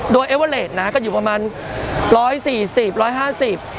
โดยเอเวอร์เลสนะฮะก็อยู่ประมาณร้อยสี่สิบร้อยห้าสิบ